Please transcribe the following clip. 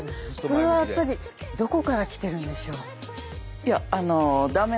それはやっぱりどこからきてるんでしょう？